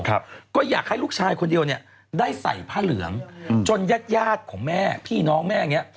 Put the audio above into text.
ที่อยากให้ลูกชายคนเดียวเนี่ยได้ใส่ผ้าเหลืองจนแยกยาดของแม่พี่น้องแม่เนี่ย